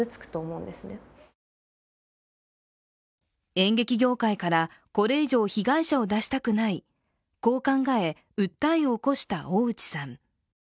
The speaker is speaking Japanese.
演劇業界からこれ以上被害者を出したくない、こう考え、訴えを起こした大内さん